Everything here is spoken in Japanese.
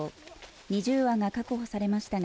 ２０羽が捕獲されましたが